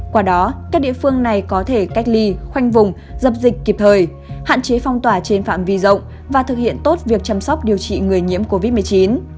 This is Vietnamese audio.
qua đó các địa phương này có thể cách ly khoanh vùng dập dịch kịp thời hạn chế phong tỏa trên phạm vi rộng và thực hiện tốt việc chăm sóc điều trị người nhiễm covid một mươi chín